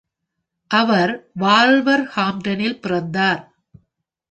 அவர் வால்வர்ஹாம்டனில் பிறந்தார்.